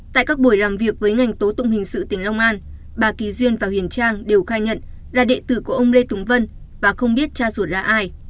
tại các buổi làm việc với ngành tố tụng hình sự tỉnh long an bà kỳ duyên và huyền trang đều khai nhận là đệ tử của ông lê túng vân và không biết cha ruột là ai